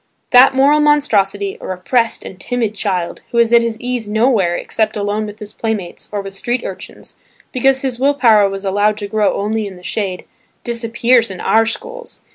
That moral monstrosity, a repressed and timid child, who is at his ease nowhere except alone with his playmates, or with street urchins, because his will power was allowed to grow only in the shade, disappears in our schools.